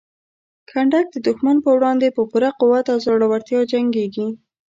کنډک د دښمن په وړاندې په پوره قوت او زړورتیا جنګیږي.